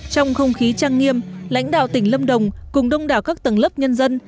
trong không khí trang nghiêm lãnh đạo tỉnh lâm đồng cùng đông đảo các tầng lớp nhân dân